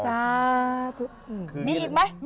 มีอีกไหมมีอีกไหม